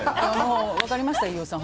分かりましたよ、飯尾さん。